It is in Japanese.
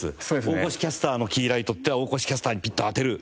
大越キャスターのキーライト大越キャスターにピッと当てる。